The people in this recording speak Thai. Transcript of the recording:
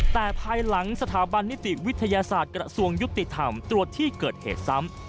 แต่ภายหลังสถาบันนิติวิทยาศาสตร์กระทรวงยุติธรรมตรวจที่เกิดเหตุซ้ำ